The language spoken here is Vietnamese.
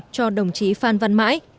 cho đồng chí phan văn mãi